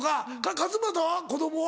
勝俣は子供は？